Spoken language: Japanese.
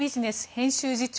編集次長